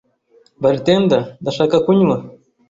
Bartender, Ndashaka kunywa